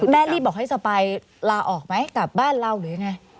แม่รีบบอกให้สปายลาออกไหมกลับบ้านเราหรือยังไง